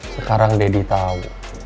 sekarang daddy tau